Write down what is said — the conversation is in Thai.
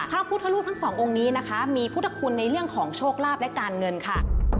พระพุทธรูปทั้งสององค์นี้นะคะมีพุทธคุณในเรื่องของโชคลาภและการเงินค่ะ